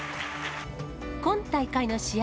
今大会の試合